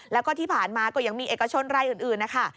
แล้วก็ที่ผ่านมาก็ยังมีเอกชนรายอื่นนะคะ